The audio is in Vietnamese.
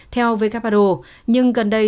theo vkpado nhưng gần đây